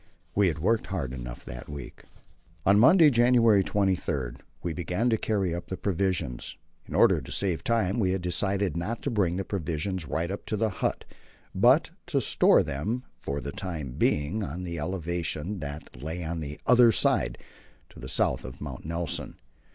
We had worked hard enough that week. On Monday, January 23, we began to carry up the provisions. In order to save time, we had decided not to bring the provisions right up to the hut, but to store them for the time being on an elevation that lay on the other side, to the south of Mount Nelson.